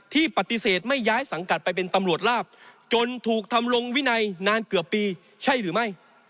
ที่ปฏิเสธไม่ย้ายสังกัดไปเป็นตำรวจลาบจนถูกทำลงวินัยนานเกือบปีใช่หรือไม่